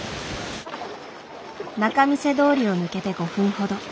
仲見世通りを抜けて５分ほど。